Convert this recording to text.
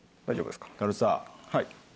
はい。